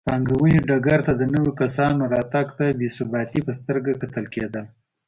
پانګونې ډګر ته د نویو کسانو راتګ ته بې ثباتۍ په سترګه کتل کېدل.